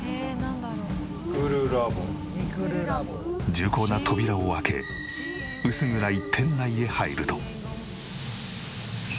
重厚な扉を開け薄暗い店内へ入ると。